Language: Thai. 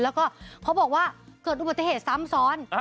แล้วก็เขาบอกว่าเกิดอุบัติเหตุซ้ำซ้อน